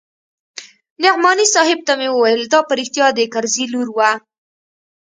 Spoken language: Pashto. نعماني صاحب ته مې وويل دا په رښتيا د کرزي لور وه.